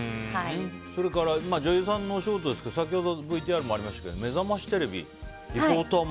それから女優さんのお仕事ですけど先ほどＶＴＲにもありましたが「めざましテレビ」のリポーターも。